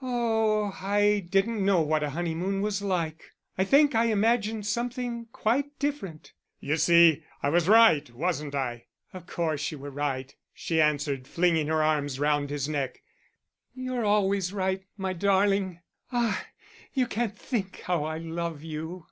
"Oh, I didn't know what a honeymoon was like. I think I imagined something quite different." "You see I was right, wasn't I?" "Of course you were right," she answered, flinging her arms round his neck; "you're always right, my darling.... Ah! you can't think how I love you."